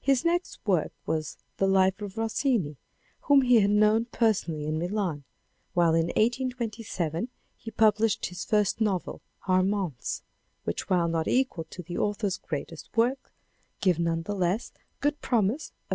His next work was the Life of Rossini, whom he had known personally in Milan, while in 1827 he published his first novel Armance, which, while not equal to the author's greatest work, give none the less good promise of that X.